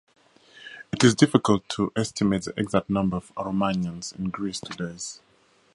It is difficult to estimate the exact number of Aromanians in Greece today.